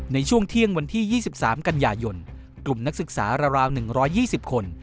ในช่วงเที่ยงวันที่๒๓กันยายนกลุ่มนักศึกษาราว๑๒๐คน